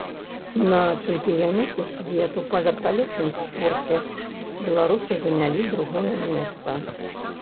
На чэмпіянаце свету па верталётным спорце беларусы занялі другое месца.